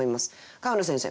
川野先生